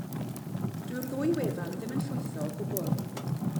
Dyw'r ddwy wefan ddim yn llwytho o gwbl.